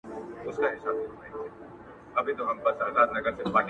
یوه ښځه یو مېړه له دوو ښارونو -